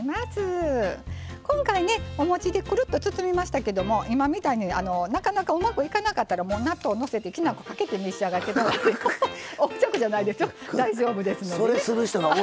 今回ねおもちでくるっと包みましたけども今みたいになかなかうまくいかなかったら納豆をのせてきな粉をかけて召し上がって頂くと横着じゃないですよ。